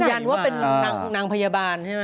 ยันว่าเป็นนางพยาบาลใช่ไหม